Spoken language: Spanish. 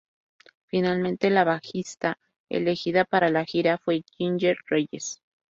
Finalmente la bajista elegida para la gira fue Ginger Reyes.